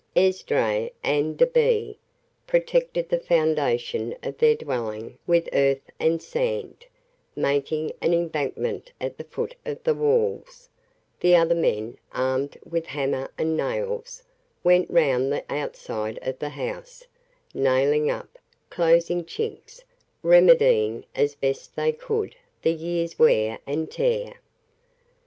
Esdras and Da'Be protected the foundation of their dwelling with earth and sand, making an embankment at the foot of the walls; the other men, armed with hammer and nails, went round the outside of the house, nailing up, closing chinks, remedying as best they could the year's wear and tear.